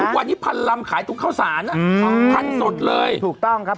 ทุกวันนี้พันลำขายตรงข้าวสารอ่ะอืมพันสดเลยถูกต้องครับ